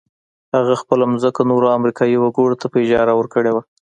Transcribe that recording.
هغه خپله ځمکه نورو امريکايي وګړو ته په اجاره ورکړې وه.